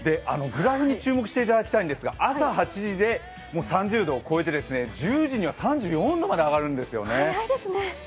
グラフに注目していただきたいんですが朝８時で３０度を超えて１０時には３４度まで上がるんですね。